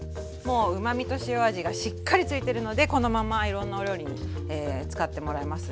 うまみと塩味がしっかりついてるのでこのままいろんなお料理に使ってもらえます。